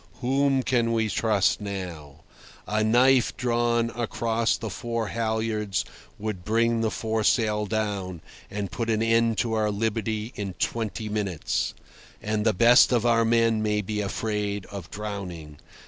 Whom can we trust now? A knife drawn across the fore halyards would bring the foresail down, and put an end to our liberty in twenty minutes. And the best of our men may be afraid of drowning.